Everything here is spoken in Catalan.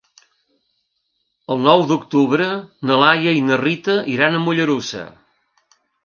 El nou d'octubre na Laia i na Rita iran a Mollerussa.